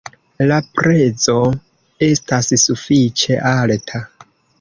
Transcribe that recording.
La prezo estas sufiĉe alta.